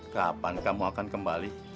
kapan kamu akan kembali